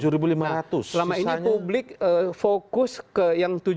nah selama ini publik fokus ke yang tujuh ribu lima ratus